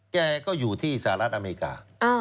แกก็อยู่ที่สหรัฐอเมริกา